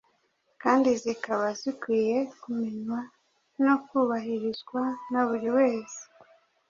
kandi zikaba zikwiye kumenywa no kubahirizwa na buri wese.